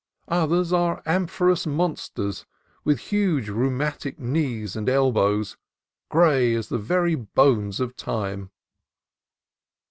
Others are amorphous monsters with huge rheumatic knees and elbows, gray as the very bones of Time.